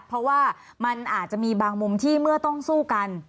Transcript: เพราะว่ามันอาจจะมีบางมุมที่เมื่อต้องสู้กัน